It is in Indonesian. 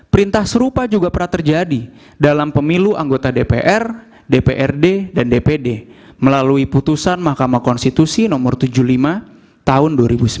perintah serupa juga pernah terjadi dalam pemilu anggota dpr dprd dan dpd melalui putusan mahkamah konstitusi no tujuh puluh lima tahun dua ribu sembilan